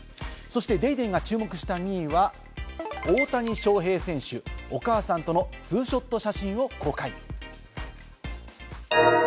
『ＤａｙＤａｙ．』が注目した２位は大谷翔平選手、お母さんとのツーショット写真を公開。